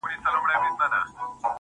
هغي نجلۍ چي زما له روحه به یې ساه شړله,